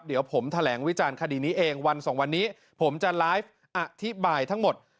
เดี๋ยวผมแถลงวิจารณ์คดีนี้เองวันสองวันนี้ผมจะไลฟ์อธิบายทั้งหมด